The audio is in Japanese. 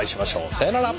さよなら！